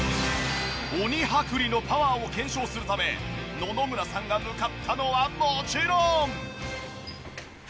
鬼剥離のパワーを検証するため野々村さんが向かったのはもちろん。